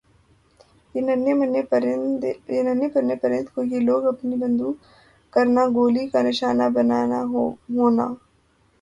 یِہ ننھے مننھے پرند کو یِہ لوگ اپنی بندوق کرنا گولی کا نشانہ بننا ہونا